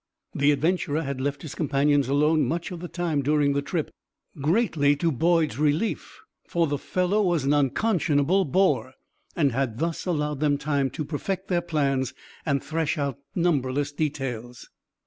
The adventurer had left his companions alone much of the time during the trip greatly to Boyd's relief, for the fellow was an unconscionable bore and had thus allowed them time to perfect their plans and thresh out numberless details.